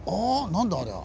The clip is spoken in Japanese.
何だありゃ。